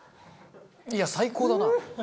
いや最高だな。